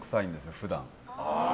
普段。